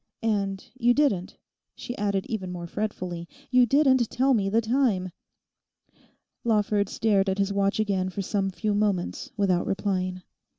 And you didn't,' she added even more fretfully, 'you didn't tell me the time.' Lawford stared at his watch again for some few moments without replying.